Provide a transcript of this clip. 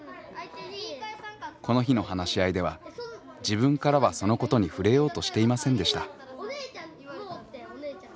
この日の話し合いでは自分からはそのことに触れようとしていませんでした。